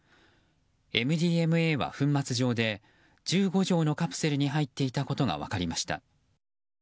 ＭＤＭＡは粉末状で１５錠のカプセルに入っていたことが分かりました。